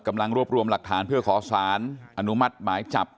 กำลังรวบรวมหลักฐานเพื่อขอสารอนุมัติหมายจับ